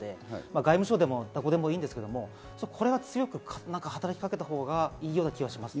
外務省でもどこでもいいんですけどこれは強く働き掛けたほうがいいような気がしますね。